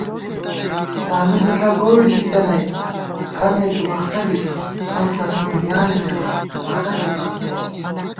تانُو بِݪہ گوئی ژِتَنَئیت غمے تُو اختہ بِسہ * غم تسہ دُنیانی کېرہ بالہ تُو تختہ بِسہ